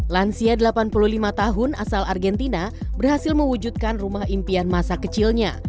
lansia delapan puluh lima tahun asal argentina berhasil mewujudkan rumah impian masa kecilnya